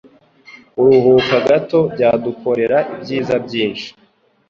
Kuruhuka gato byadukorera ibyiza byinshi.